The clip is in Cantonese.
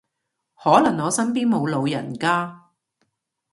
可能我身邊冇老人家